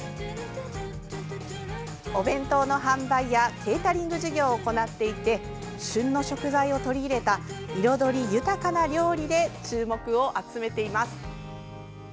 お弁当の販売やケータリング事業を行っていて旬の食材を取り入れた彩り豊かな料理で注目を集めています。